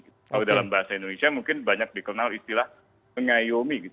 kalau dalam bahasa indonesia mungkin banyak dikenal istilah mengayomi